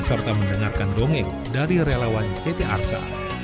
serta mendengarkan dongeng dari relawan ct arsa